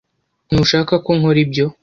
ntushaka ko nkora ibyo